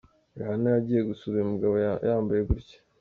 Rihanna yagiye gusura uyu mugabo yambaye gutya !.